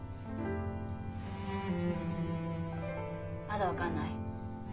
まだ分かんない？